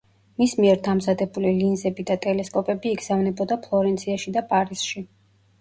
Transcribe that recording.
მის მიერ დამზადებული ლინზები და ტელესკოპები იგზავნებოდა ფლორენციაში და პარიზში.